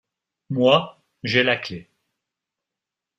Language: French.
Moi, j’ai la clef.